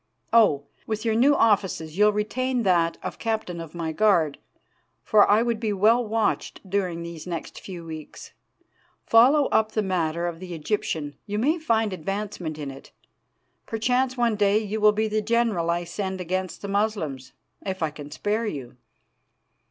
Oh! with your new offices, you'll retain that of captain of my guard, for I would be well watched during these next few weeks. Follow up the matter of the Egyptian; you may find advancement in it. Perchance one day you will be the general I send against the Moslems if I can spare you.